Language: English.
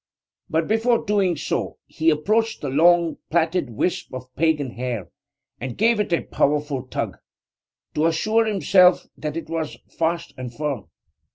But before doing so he approached the long, plaited wisp of pagan hair and gave it a powerful tug, to assure himself that it was fast and firm.